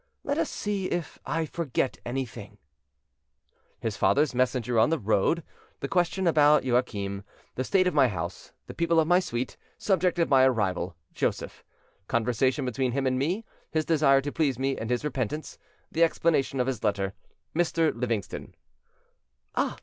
"Let us see if I forget anything: "His father's messenger on the road; The question about Joachim; The−state of my house; The people of my suite; Subject of my arrival; Joseph; Conversation between him and me; His desire to please me and his repentance; The explanation of his letter; Mr. Livingston. "Ah!